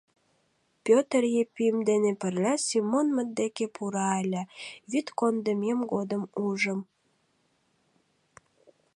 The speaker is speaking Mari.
Пӧтыр Епим дене пырля Семонмыт деке пура ыле: вӱд кондымем годым ужым.